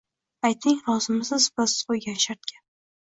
Ayting, rozimisiz biz qo’ygan shartga?!